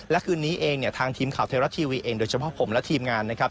และคืนนี้เองเนี่ยทางทีมข่าวไทยรัฐทีวีเองโดยเฉพาะผมและทีมงานนะครับ